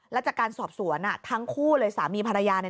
แล้วจากการสอบสวนทั้งคู่เลยสามีภรรยาเนี่ย